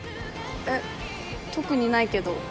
えっ特にないけど。